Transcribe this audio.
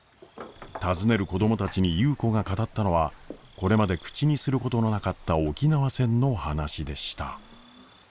尋ねる子供たちに優子が語ったのはこれまで口にすることのなかった沖縄戦の話でした。